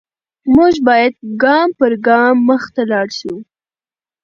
موږ باید ګام په ګام مخته لاړ شو.